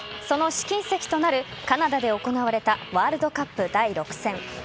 その試金石となるカナダで行われたワールドカップ第６戦。